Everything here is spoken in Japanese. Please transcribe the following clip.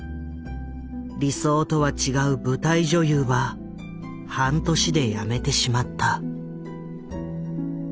理想とは違う舞台女優は半年でやめてしまった。